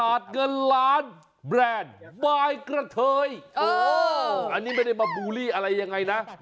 อันนี้ไม่ได้มาบูลี่อะไรยังไงนะ